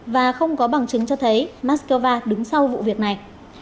và không có bằng chứng cho thấy moscow đứng sau vụ việc này